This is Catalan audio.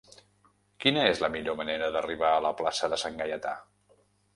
Quina és la millor manera d'arribar a la plaça de Sant Gaietà?